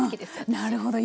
なるほど。